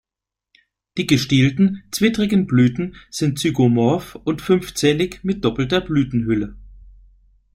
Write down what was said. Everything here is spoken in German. Die gestielten, zwittrigen Blüten sind zygomorph und fünfzählig mit doppelter Blütenhülle.